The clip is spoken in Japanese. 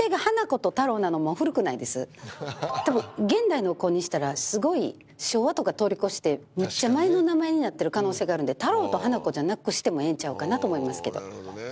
たぶん現代の子にしたらすごい昭和とか通り越してむっちゃ前の名前になってる可能性があるんで「太郎」と「花子」じゃなくしてもええんちゃうかなと思いますけど。